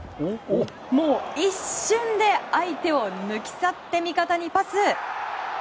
もう一瞬で相手を抜き去って味方にパス。